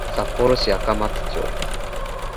札幌市赤松町